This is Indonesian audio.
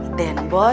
wah ini dia nak papa